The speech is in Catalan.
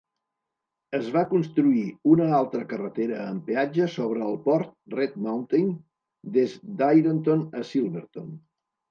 Es va construir una altra carretera amb peatge sobre el port Red Mountain, des d'Ironton a Silverton.